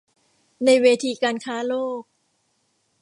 ในเวทีการค้าโลก